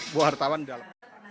buah wartawan dalam